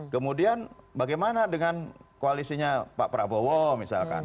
kemudian bagaimana dengan koalisinya pak prabowo misalkan